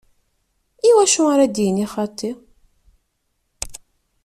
Iwacu ara d-yini xaṭi?